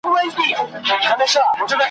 په وطن کي نه مکتب نه مدرسه وي `